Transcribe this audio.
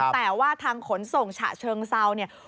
แต่ว่าทางขนส่งฉะเชิงเซาเนี่ย